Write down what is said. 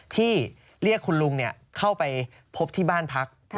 ที่เรียกคุณลุงเข้าไปพบที่บ้านพัก